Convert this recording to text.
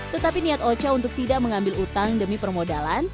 tetapi niat ocha untuk tidak mengambil utang demi permodalan